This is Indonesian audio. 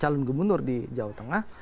calon gubernur di jawa tengah